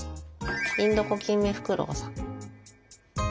インドコキンメフクロウさん。